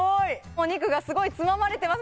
お肉がすごいつままれてます